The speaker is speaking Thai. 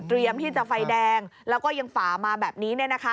เตรียมที่จะไฟแดงแล้วก็ยังฝามาแบบนี้นี่นะคะ